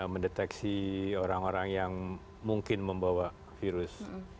mendeteksi orang orang yang mungkin membawa virus